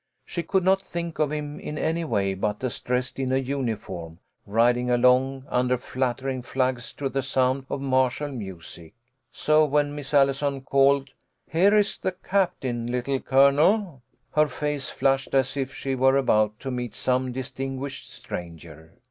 She could not think of him in any way but as dressed in a uniform, riding along under fluttering flags to the sound of martial music. So when Miss Allison called, " Here is the captain, Little Colonel," her face flushed as if she were about to meet some distinguished stranger.